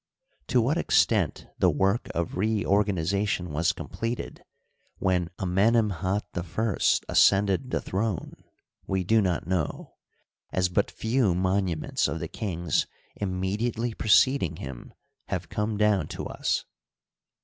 To what extent the work of reor ganization was completed when Amenemhat I ascended the throne we do not know, as but few monuments of the kings immediately preceding him have come down to us.